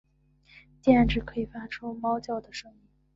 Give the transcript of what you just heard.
电鲇可以发出猫叫的声音。